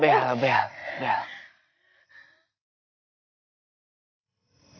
kita punya kenangan